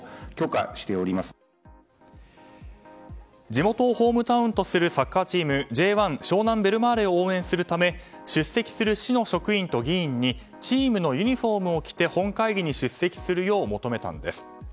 地元をホームタウンとするサッカーチームＪ１湘南ベルマーレを応援するため出席する市の職員と議員にチームのユニホームを着て本会議に出席するよう求めたんです。